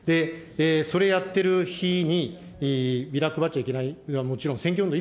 それやってる日に、ビラ配っちゃいけない、もちろん、選挙運動